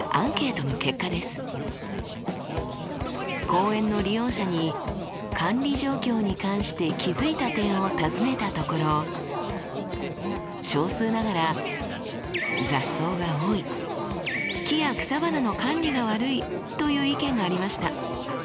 公園の利用者に管理状況に関して気付いた点を尋ねたところ少数ながら雑草が多い木や草花の管理が悪いという意見がありました。